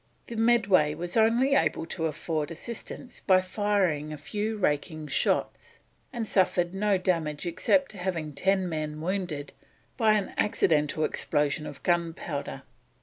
The Medway was only able to afford assistance by firing a few raking shots, and suffered no damage except having ten men wounded by an accidental explosion of gunpowder.